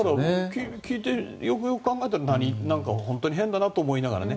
聞いて、よくよく考えたら本当に変だなと思ったりね。